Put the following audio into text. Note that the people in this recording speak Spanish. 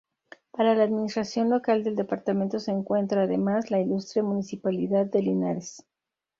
Para la administración local del departamento se encuentra, además, la Ilustre Municipalidad de Linares.